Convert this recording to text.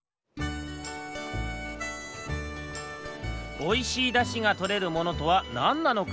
おいしいだしがとれるものとはなんなのか。